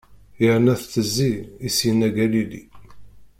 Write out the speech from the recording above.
Yerna tettezzi, i s-yenna Galili.